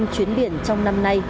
năm chuyến biển trong năm nay